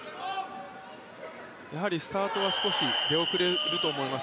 やはりスタートは少し出遅れると思います。